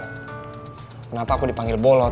kenapa aku dipanggil bolot